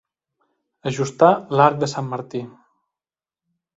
Ajustar l'arc de Sant Martí.